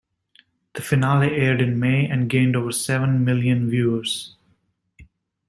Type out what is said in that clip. The finale aired in May and gained over seven million viewers.